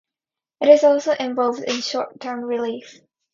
It is also involved in short-term relief.